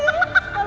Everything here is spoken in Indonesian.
bebasin aku ya